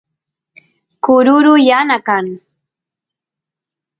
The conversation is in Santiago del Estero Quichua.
kururu yana kan